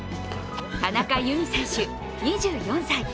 田中佑美選手、２４歳。